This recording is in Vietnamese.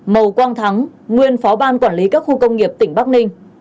màu quang thắng nguyên phó ban quản lý các khu công nghiệp tỉnh bắc ninh